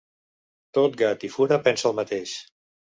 Tot gat i fura pensa el mateix.